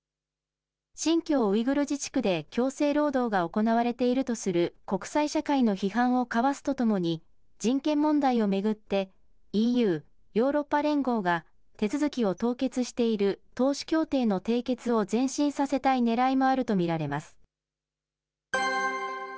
新疆ウイグル自治区で強制労働が行われているとする国際社会の批判をかわすとともに、人権問題を巡って、ＥＵ・ヨーロッパ連合が手続きを凍結している投資協定の締結を前進させたいねらいもあると見られます。